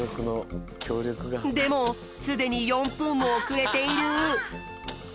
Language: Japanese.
でもすでに４ぷんもおくれている。